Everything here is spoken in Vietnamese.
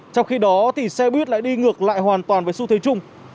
trong khi đó xe buýt lại đi ngược lại hoàn toàn với xu thế chung